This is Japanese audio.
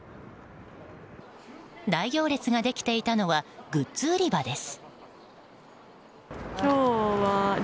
大行列ができていたのはグッズ売り場です。